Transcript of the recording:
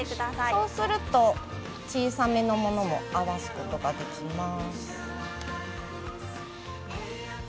そうすると小さめのものも高さを合わせることができます。